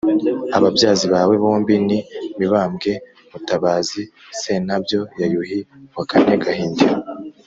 ababyazi bawe bombi: ni mibambwe iii mutabazi ii sentabyo ya yuhi wa kane gahindiro